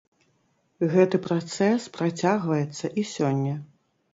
Гэты працэс працягваецца і сёння.